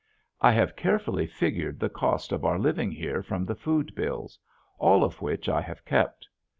I have carefully figured the cost of our living here from the food bills, all of which I have kept.